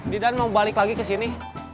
didan mau balik lagi ke sini